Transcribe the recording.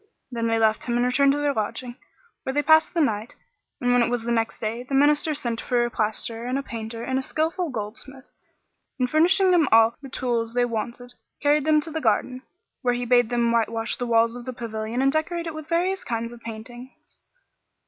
Then they left him and returned to their lodging, where they passed the night; and when it was the next day, the Minister sent for a plasterer and a painter and a skilful goldsmith and, furnishing them with all the tools they wanted, carried them to the garden, where he bade them whitewash the walls of the pavilion and decorate it with various kinds of paintings.